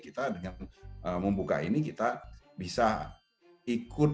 kita dengan membuka ini kita bisa ikut